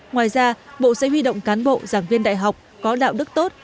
ngoài ra bộ sẽ huy động cán bộ giảng viên đại học có đạo đức tốt